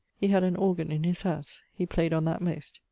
He had an organ in his howse: he played on that most.